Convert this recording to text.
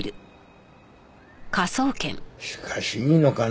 しかしいいのかね